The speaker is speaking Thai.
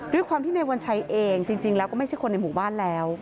ด้วยความที่ในวันชัยเองจริงแล้วก็ไม่ใช่คนในหมู่บ้านแล้ว